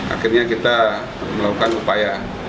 akhirnya kita melakukan upaya